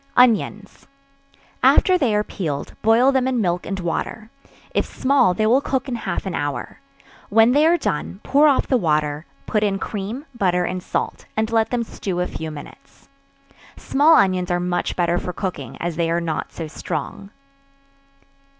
Onions. After they are peeled, boil them in milk and water; if small, they will cook in half an hour; when they are done, pour off the water; put in cream, butter and salt, and let them stew a few minutes. Small onions are much better for cooking, as they are not so strong.